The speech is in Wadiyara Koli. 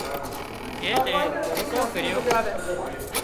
اين نين موٽون ڪريون